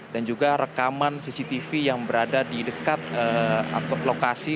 dan juga rekaman cctv yang berada di dekat lokasi